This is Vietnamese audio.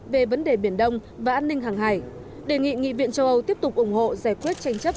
về vấn đề biển đông và an ninh hàng hải đề nghị nghị viện châu âu tiếp tục ủng hộ giải quyết tranh chấp